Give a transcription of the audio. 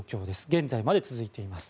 現在まで続いています。